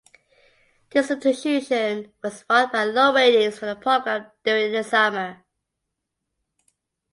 This substitution was marked by low ratings for the program during the summer.